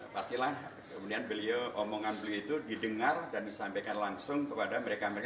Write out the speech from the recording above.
pastilah kemudian beliau omongan beliau itu didengar dan disampaikan langsung kepada mereka mereka